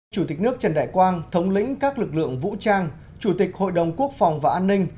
chủ tịch nước trần đại quang thống lĩnh các lực lượng vũ trang chủ tịch hội đồng quốc phòng và an ninh